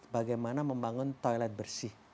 bagaimana membangun toilet bersih